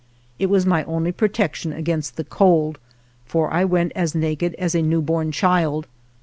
It was my only protec tion against the cold, for I went as naked as a new born child.